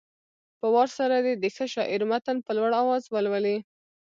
په وار سره دې د ښه شاعر متن په لوړ اواز ولولي.